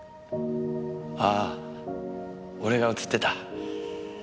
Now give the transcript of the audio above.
あぁ俺が映ってた？